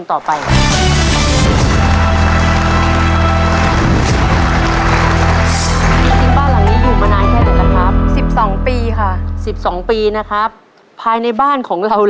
ตัวเลือดที่๓ม้าลายกับนกแก้วมาคอ